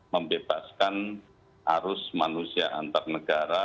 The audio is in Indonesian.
membebaskan arus manusia antar negara